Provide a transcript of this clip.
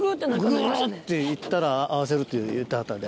グっていったら合わせるって言ってはったで。